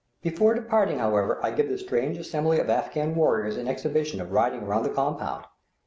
Before departing, however, I give the strange assembly of Afghan warriors an exhibition of riding around the compound.